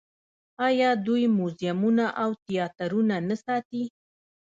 آیا دوی موزیمونه او تیاترونه نه ساتي؟